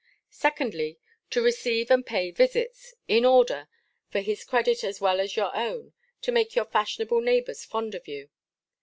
Secondly, to receive and pay visits, in order, for his credit as well as your own, to make your fashionable neighbours fond of you.